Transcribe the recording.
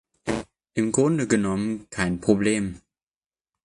Im Grunde genommen kein Problem.